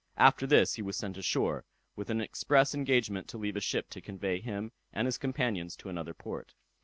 After this he was sent ashore, with an express engagement to leave a ship to convey him and his companions to another port.